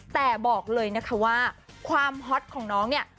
แต่บอกเลยนะคะว่าความฮอตของน้องเนี่ย